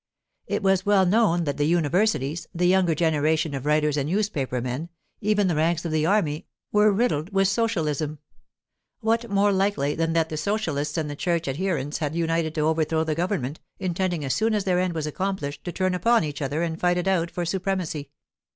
It was well known that the universities, the younger generation of writers and newspaper men, even the ranks of the army, were riddled with socialism. What more likely than that the socialists and the church adherents had united to overthrow the government, intending as soon as their end was accomplished to turn upon each other and fight it out for supremacy?